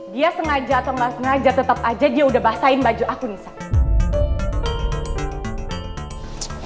dia sengaja atau gak sengaja tetep aja dia udah basahin baju aku nih sam